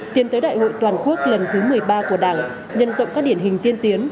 tiến tới đại hội toàn quốc lần thứ một mươi ba của đảng nhân rộng các điển hình tiên tiến